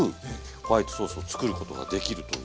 ホワイトソースを作ることができるという。